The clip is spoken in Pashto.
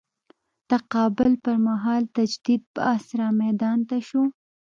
تقابل پر مهال تجدید بحث رامیدان ته شو.